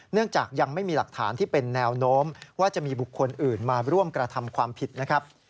จากยังไม่มีหลักฐานที่เป็นแนวโน้มว่าจะมีบุคคลอื่นมาร่วมกระทำความผิดนะครับ